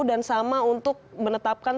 dan sama untuk menetapkan